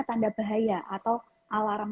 tanda bahaya atau alarm